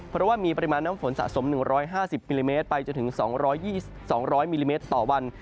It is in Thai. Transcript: เพราะว่ามีปริมาณน้ำฝนสะสม๑๕๐มิลลิเมตรไปจนถึง๒๐๐มิลลิเมตรต่อวัน